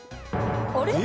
あれ？